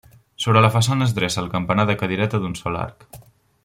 Sobre la façana es dreça el campanar de cadireta d'un sol arc.